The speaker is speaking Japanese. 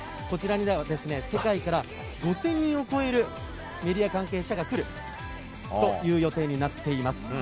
こちらには世界から２０００人を超えるメディア関係者が来る予定になっています。